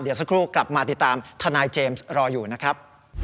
เดี๋ยวสักครู่กลับมาติดตามทนายเจมส์รออยู่นะครับ